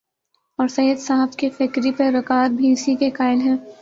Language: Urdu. اورسید صاحب کے فکری پیرو کار بھی اسی کے قائل ہیں۔